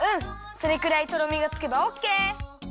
それくらいとろみがつけばオッケー！